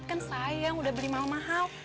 kan sayang udah beli mahal mahal